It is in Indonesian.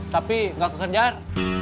tapi gak kekejar